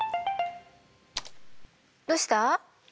どうした？